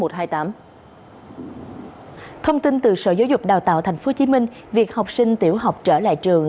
thông tin từ sở giáo dục đào tạo tp hcm việc học sinh tiểu học trở lại trường